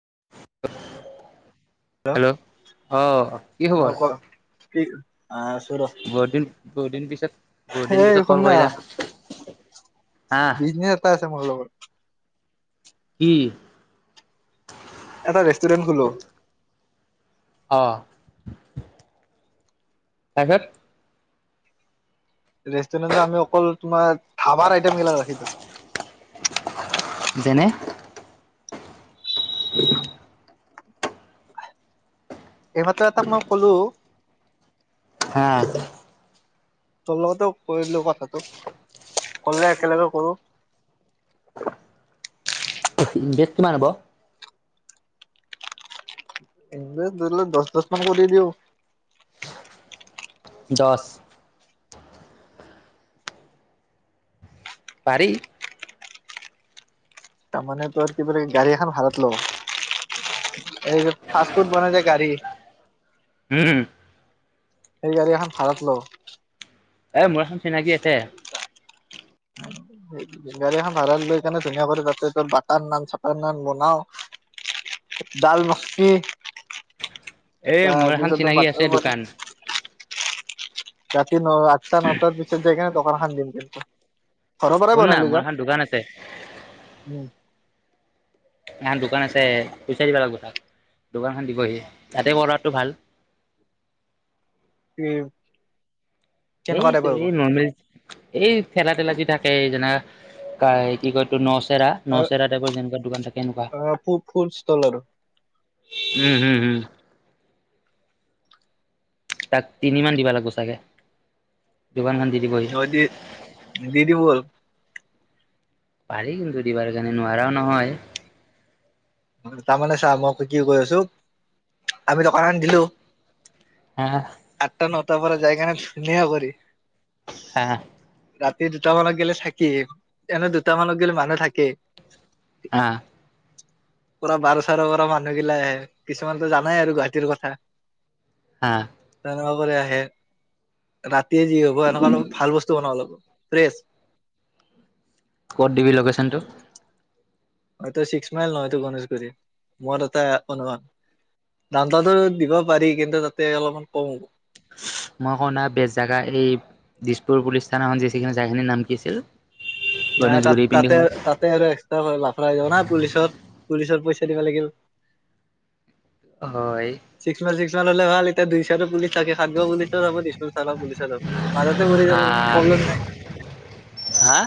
[inaudible] Hello অহ কি অ খবৰ ক কি আছো ৰ বহুত দিন বহুত দিন পিছত বহুত দিন এই পিছত কল শুননা কৰিলা হা বিজনেচ এটা আছে মোৰ লগত কি এটা ৰেষ্টুৰেণ্ট খোলো অঁ তাপিছত ৰেষ্টুৰেণ্ট যে আমি অকল তোমাৰ ধাবাৰ আইটেম গিলাক ৰাখিছো যেনে [inaudible] এইমাত্ৰ এটাক মই কলো হা তোৰ লগতেও কৰিলো কথাটো কলে একেলগে কৰো বেছ কিমান হ'ব একবাৰ ধৰিলে দচ বাৰ ফোনকৰি দিও দচ পাৰি তাৰমানে ত কি বুলি গাড়ী এখন ভাড়াত ল'ব এই যে ফাষ্ট ফুড বনাই যে গাড়ী উম সেই গাড়ী এখন ভাড়াত লওঁ । এ মোৰ এখন চিনাকি আছে । বেগাৰী এখন ভাড়াত লৈ কেনে ধুনীয়া কৰে তাতে বাটাৰ নান চাটাৰ নান বনাও ডালমস্তি এ মোৰ এখন চিনাকি আছে দোকান । তাত ন আঠটা নটাৰ পিছত যেখন দোকান এখন দিম কিন্তু । শুন না মোৰ এখন দোকান আছে । উম এখন দোকান আছে পইচা দিবা লাগিব তাক দোকানখন দিবহি তাতে কৰাটো ভাল । ওম । এইটো এই নৰ্মেল এই থেলাতেলা যি থাকে যেনা কাই কি কয় তো নচ অ নচেৰা টাইপৰ যেনেকুৱা দোকান থাকে এনেকুৱা অ ফু ফুল ষ্টল আৰু উম উম তাক তিনিমান দিব লাগিব চাগে । সিহঁতি দি দিব বল । পাৰি কিন্তু দিবাৰ কাৰণে নোৱাৰাও নহয় । তাৰমানে চা মই কি কৈ আছো আমি দোকানখন দিলো । হা আঠটা নটা পৰা যায় কেনে । ধুনীয়া কে পাৰি । হা । স দুটা মানত গেলে থাকি এনে দুটা মানত গলে মানুহ থাকেই । অহ । পুৰা বাৰ চাৰ পৰা মানুহগিলাই আহে কিছুমানতো জানাই আৰু গুৱাহাটীৰ কথা । হা । [inaudible] তেজি হ'ব এনেকোৱা অলপ ভালবস্তু বনাব লাগিব । ফ্ৰেচ। ক'ত দিবি লোকেশ্যন টো । হয়টো ছিক্স মাইল নহয় এইটো গণেশগুৰি মোৰ এটা অনুমান দাম তাতো দিব পাৰি কিন্তু তাতে অলপমান কম হব । মই কনা বেজ জেগা এই দিছপুৰ পুলিচ থানাখন যিখন যাই নাম কি আছিল? নাই তাত গণেশগুৰি পিন্ধি তাতে সোমাই তাতে আৰু এক্সট্ৰা লাফৰা হৈ যাব না পুলিচৰ । পুলিচৰ পইচা দিব লাগিব হয় । ল'লে ভাল এতিয়া দুইশ টো পুলি [unintelligible] তাকে খাতব বুলি ৰ' দিছো, চাল বুলি চ মাজতে মৰি যাব হা প্ৰব্লেম নাই । হা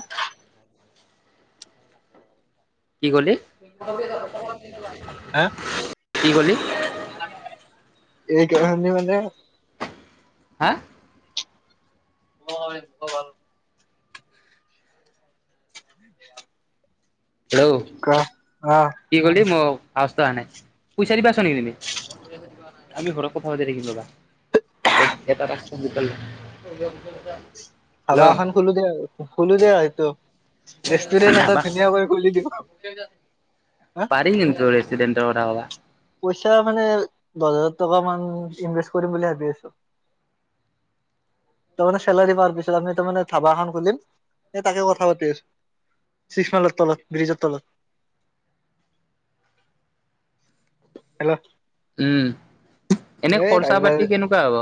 কি কলি? [unintelligible] কি ক'লি? এই কি মানে, হা? অ ভাল [unintelligible] [inaudible] হেল্ল', কা অ কি কলি? মই, আৱাজটো অহা নাই । পইচা দিব আছা নেকি তুমি? আমি ঘৰত কথা পাতি ৰাখিম ৰবা । [unintelligible] এটাৰাখ । [unintelligible] [inaudible] ধাবা এখন খোলোদে আৰু খুলো দিয়া এইটো । ৰেষ্টুৰেণ্ট এটা হেল্ল' ধুনীয়া কৈ খুলি দিব । [inaudible] পাৰি কিন্তু ৰেষ্টোৰেন্ত্ৰৰ কথা কবা । [unintelligible] পইচা মানে দহ হাজাৰ টকা মান ইনভেষ্ট কৰিম বুলি ভাবি আছো । তাৰে মানে চেলাৰি পাৰ পিছত আমি তাৰে ধাবা এখন খুলিম, তাকে কথা পাতি আছো । সি মাইলৰ তলত ব্ৰীজৰ তলত । [unintelligible] হেল্ল, উম । এনে এই খৰচা ৰাইডাৰ- পাতি কেনেকুৱা হব?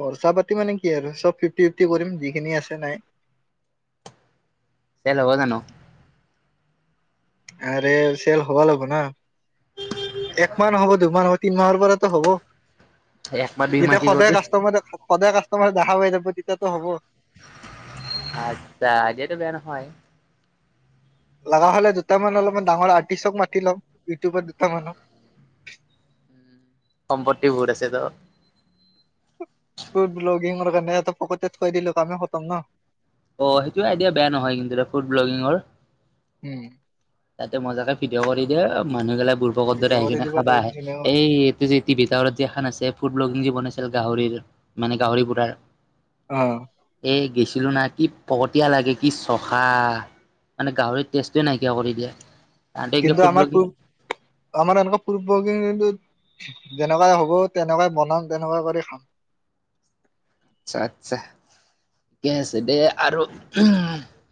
খৰচা পাতি মানে কি আৰু চব ফিফটি ফিফটি কৰিম, যিখিনি আছে নাই । চেল হব যানো? আৰু চেল হ'ব লাগব না । একমাহ নহ'ব দুমাহৰ, তিনি মাহৰ পৰাতো হব একমাহ দুই । মাহ যেতিয়া কি সদায় কৰি কাষ্টমাৰ সদায় কা, তোমাৰ দেহা বাই যাব, তেতিয়াতো হ'ব । আটচ্ছা আইদিয়াটো বেয়া নহয়। লগা হলে দুটামান অলপমান ডাঙৰ আৰ্টিচক মাতি লওক, ইউটিউবাৰ দুটামানো । সম্পত্তি বহুত আছে ন । ফুদভ্লগিংৰ কাৰণে ফকতিয়াত খোৱাই দিলে তোৰ কামে খতম ন । [unintelligible] অ সেইটোৱে আইডিয়া বেয়া নহয় কিন্তু এ ফুড ব্লগিঙৰ । উম। তাতে মজাকে ভিডিঅ কৰি দিয়ে, মানুহ গিলাক বুৰবকৰ দৰে ভিডিঅ' আহি কৰি কিনে দিব খাবা তাৰ আহে ধুনীয়া কৈ। । এইটো যে টি ভিতৰত আছে ফুড বলগিং য বনাইছে, [unintelligible] আৰু গাহৰিৰ, মানে গাহৰি পতাৰ । অ । গেছিলো না কি ফকতীয়া লাগে কি চফা মানে গাহৰি টেষ্টটোয়ে নাইকিয়া কৰি [unintelligible] ইয়া কিন্তু আমাৰ প আমাৰ এনেকুৱা পূৰ্ব [unintelligible] যেনেকুৱাই হ'ব তেনেকুৱাই বনাম তেনেকুৱা কৰি খাম। আচ্ছা, আচ্ছা, ঠিকে আছে দে আৰু উ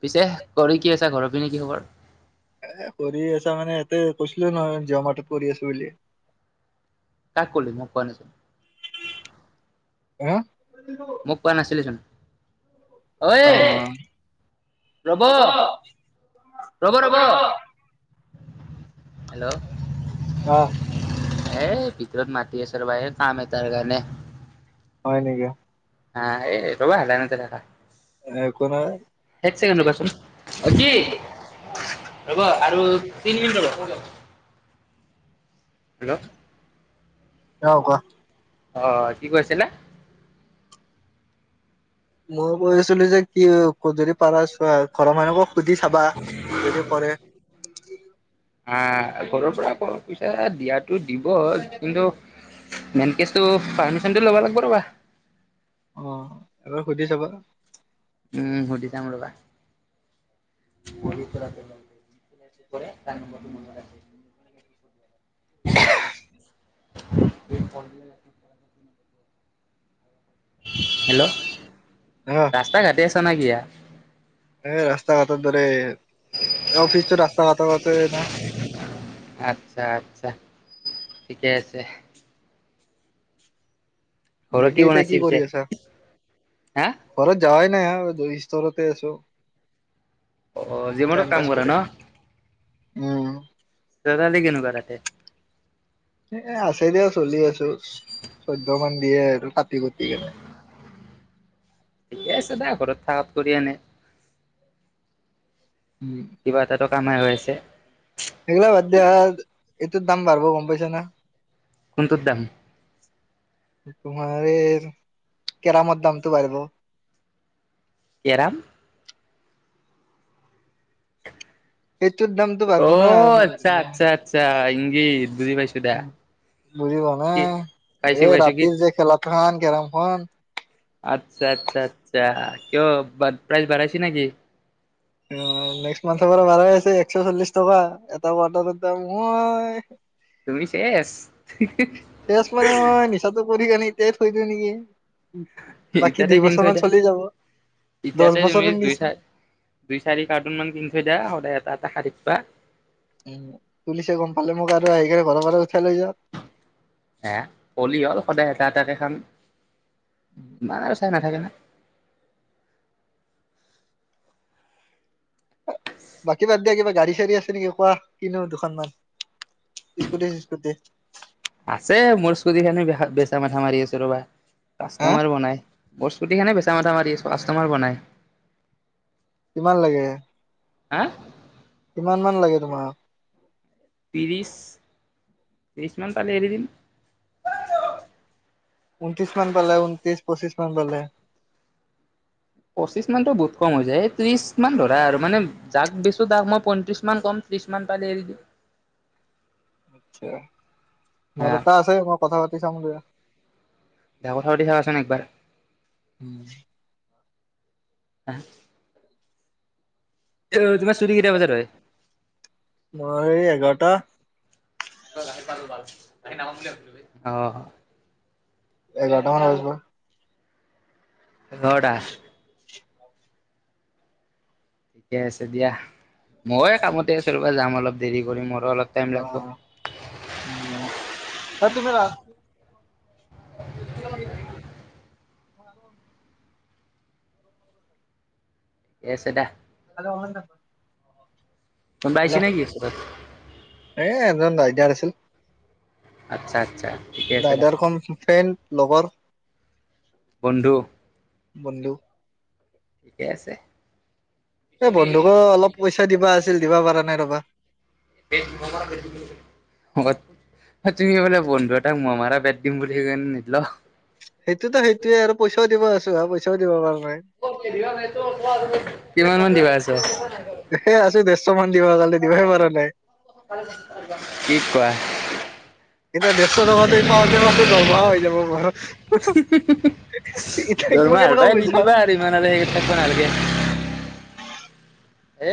পিছে কৰি কি আছা ঘৰৰ পিনে কি খবৰ? এ কৰি আছা মানে--। ত কৈছিলে নহয় জিঅ মাটেত কৰি আছিলোঁ বুলি। কাক কলি মোক কোৱা নাছিল । হা। মোক কোৱা নাছিলি যানো। ঐ অ ৰ'ব, ৰ'ব, ৰ'ব। হেল্ল' হে--। ঘৰত মাতি আছে ৰবা এই কাম এটা কাৰণে। হয় নেকি? হে এই। ৰ'বা লাইনতে থাকা, একো নহয় এক ছেকেণ্ড ৰ'বাচোন অ কি ৰ'বা আৰু তিনি মিনিট ৰ'বা। হেল্ল'। অহ কোৱা। অহ কি কৈছিলে? মই কৈ আছিলোঁ যে কি যদি পাৰা চোৱা । ঘৰৰ মানুহকো সুধি চাবা যদি কৰে--। অ ঘৰৰ পৰা পইছা দিয়াতো--। দিব কিন্তু--। মেন কেছটো পাৰ্মিচনটো ল'ব লাগিব ৰ'বা। অহ- এবাৰ সুধি চাবা। উম! সুধি চাম ৰ'বা। এই [unintelligible] হেল্ল'। হা ৰাস্তা ঘাটি আছ নে কিয়া। এ ৰাস্তা ঘাটৰ দৰে--। অফিচটো ৰাস্তা ঘাত ওচৰতে না--। অহ আচ্ছা ঠিকে আছে। ঘৰত বাকী এতিয়া বনাইছে কি পিছে? কৰি আছা, হা ঘৰত যাৱাই--। নাই অহ- দু স্তৰতে আছোঁ। অ জিঅ মদত কাম কৰা ন। উম! চজাল কেনেকুৱা তাতে। এহ আছে দে চলি আছোঁ। চৈধ্যমান। দিয়েটো আৰু। কি দিয়ে? ঠিকে আছে দে, ঘৰত থাকাত কৰি এনে। উম। কিবা এটাতো কামাই হৈ আছে। একগিলাক বাদ দিয়ে এইটোত দাম বাঢ়িব গম পাইছো না কোনটোৰ দাম? তোমাৰ এই কেৰামৰ দামটো বাঢ়িব। কেৰাম সেইটোৰ দামটো বাঢ়িব না, অ' আচ্ছা আচ্ছা আচ্ছা ইংগিত বুজি পাইছো দা। বুজিব নে, কি পাইছো এই পাইছো কি ৰাতিৰ যে খেলা। কোনখন কেৰমখন। আচ্ছা-আচ্ছা-আচ্ছা কিয়? প্ৰাইজ বাঢ়াইছে নেকি? নেক্সট মান্থৰ পৰা বাঢ়াই আছে, একশ চল্লিশ টকা এটা [unintelligible] ৰৰ দাম মই তুমি শেষ। শেষ মানে মই নিচাটো কৰি কনে তে থৈই দি নেকি? বাকী এতিয়াতে দুই কিনি বছৰ থৈ মান দে, চলি যাব দহ এতিয়াতে তুমি বছৰৰ দুই নিচ চাৰি দুই চাৰি কাৰ্টুনমান কিনি থৈ দিয়া সদায় এটা-এটা খাই থাকিবি। বাহ! উম! পুলিচে গম পালে মোক আৰু আহিকিনে ঘৰৰ পৰা উঠাই লৈ যাওঁক। আহ! হলি হ'ল সদায়। চাহ তাতে খাম বানাৰ চাই নাই লাগে না বাকী বাদ দিয়া, কিবা গাড়ী-চাৰী আছে নেকি কোৱা কিনো দুখনমান? স্কুটি চিস্কুটি আছে মোৰ স্কুটিখনে বেয়া হ'ল তাকে মাঠা মাৰি আছোঁ ৰবা। হা কাষ্টমাৰ পোৱা নাই, মোৰ স্কুটিখনে বেচিম তাতে মাঠা মাৰি আছোঁ কাষ্টমাৰ পোৱা নাই। কিমান লাগে? হে কিমান মান লাগে তোমাক? ত্ৰিশ। ত্ৰিশমান পালে এৰি দিম। ঊনত্ৰিশ মান পালেও, ঊনত্ৰিশ, পঁচিছমান পালে। পঁচিশমানটো বহুত কম হৈ যায়, ত্ৰিশমান ধৰা আৰু মানে যাক দিছো তাক মই পয়ত্ৰিশমান কম ত্ৰিশমান পালে এৰি দিম। আচ্ছা! মোৰ হা এটা আছে মই কথা পাতি পাতি চামগে তেওঁ কথাপাতি চাবাএকবাৰ । উম আহ তোমাৰ ছুটি কেইটা বজাত হয়? মোৰ এই এঘাৰটা [unintelligible] আ এঘাৰটামান বাজব এঘৰাটা [unintelligible] ঠিকে আছে দিয়া মই কামতে আহিছো ৰবা যাম অলপ দেৰি কৰিম। অ তুমি ৰা [unintelligible] [unintelligible] [inaudible] ঠিকে আছে দে। আৰু অলপ ৰ। [unintelligible] কোনোবা আহিছে নেকি ঘৰত নাই দিয়াৰ আছিল আচ্ছা আচ্ছা। ঠিকে আছে দা ৰাইডাৰ খন ফেন লগৰ বন্ধু বন্ধু ঠিকে আছে। এ বন্ধুকো অলপ পইচা দিবা আছে । ছিল দিবা পাৰা নাই ৰবা। [inaudible] [unintelligible] অ তুমি বোলে বন্ধু এটাক মহ মাৰা বেট দিম বুলি কে নিদিল সেইটোতো সেইটোয়ে আৰু পইচাও দিব আছে তোমাৰ পইচাও দিব পাৰু। [unintelligible] কিমান মান দিবা আছে? এ আছো দেৰশ মান দিব কালি দিবই পৰা নাই কি কোৱা। এতিয়া ডেৰশ টকাত পাওতে মাহটোৰ দৰমহা হৈ যাব বাৰু মই দৰমহা কেনেকুৱা হাৰবাই দি বুজাও। দিবা আৰু ইমান আৰু সেই থাকিব নালাগে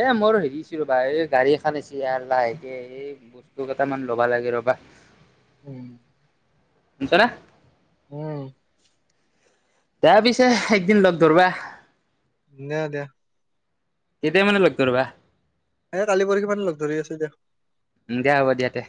এ মই হেৰিছো ৰবা এই গাড়ী আহিছে লাহেকে এই বস্তু কেইটামান ল'বা লাগে ৰবা । উম [inaudible] শুনিছনে উম দিয়া পিছে একদিন লগ ধৰিবা । দে দে। কেতিয়া মানে লগ ধৰিবা এ কালি-পৰশি মানে লগ ধৰি আছো দিয়া। উম, দিয়া হ'ব দিয়া দে।